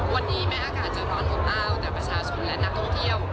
วันนี้แม้อากาศจะร้อนอบอ้าวแต่ประชาชนและนักท่องเที่ยว